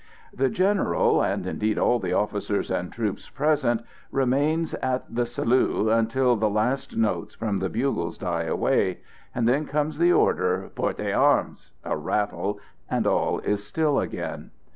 The General, and indeed all the officers and troops present, remain at the "Salut," until the last notes from the bugles die away; and then comes the order, "Portez armes," a rattle and all is still again.